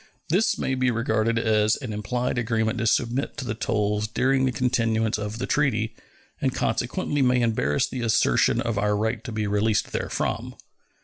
This may be regarded as an implied agreement to submit to the tolls during the continuance of the treaty, and consequently may embarrass the assertion of our right to be released therefrom.